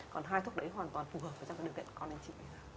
còn hai thuốc đấy hoàn toàn phù hợp với trong cái điều kiện con anh chị